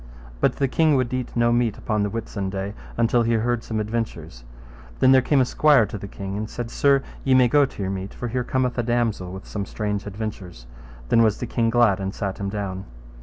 But the king would no meat eat upon the Whitsunday, until he heard some adventures. Then came there a squire to the king and said, Sir, ye may go to your meat, for here cometh a damosel with some strange adventures. Then was the king glad and sat him down.